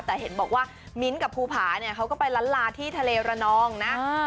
แต่เห็นบอกว่ามิ้นท์กับภูผาเนี่ยเขาก็ไปล้านลาที่ทะเลระนองนะ